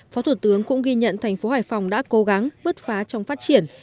phó thủ tướng cũng ghi nhận thành phố hải phòng đã cố gắng bứt phá trong phát triển